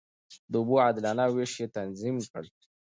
د اوبو عادلانه وېش يې تنظيم کړ.